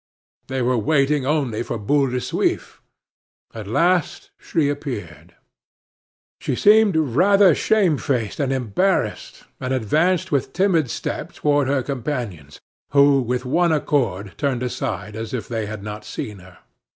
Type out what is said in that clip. They were waiting only for Boule de Suif. At last she appeared. She seemed rather shamefaced and embarrassed, and advanced with timid step toward her companions, who with one accord turned aside as if they had not seen her.